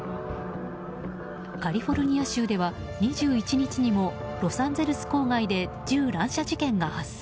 カリフォルニア州では２１日にもロサンゼルス郊外で銃乱射事件が発生。